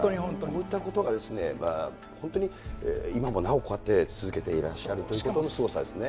こういったことが、本当に今もなお、こうやって続けていらっしゃるということのすごさですね。